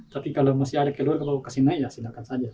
tapi kalau masih ada keluarga mau kasih naik ya silahkan saja